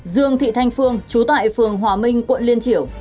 dương thị thanh phương trú tại phường hòa minh quận liên triểu